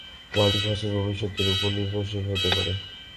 মাল্টিভার্সের ভবিষ্যৎ এর উপর নির্ভরশীল হতে পারে।